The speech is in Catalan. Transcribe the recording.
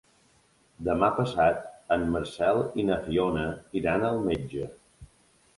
Demà passat en Marcel i na Fiona iran al metge.